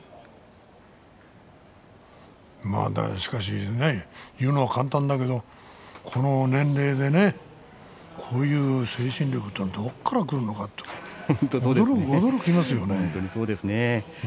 しかしね言うのは簡単だけどもこの年齢でねこういう精神力というのはどこからくるのかと驚きますよね。